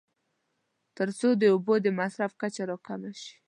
تر څو د اوبو د مصرف کچه راکمه شي.